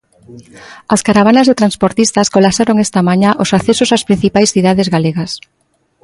As caravanas de transportistas colapsaron esta mañá os accesos ás principais cidades galegas.